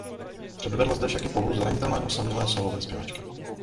Předvedla zde však i polohu zranitelné osamělé sólové zpěvačky.